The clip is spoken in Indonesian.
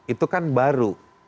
itu kan baru